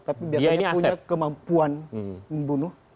tapi biasanya punya kemampuan membunuh